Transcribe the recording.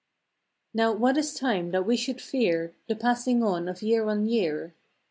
Now what is Time that we should fear The passing on of year on year?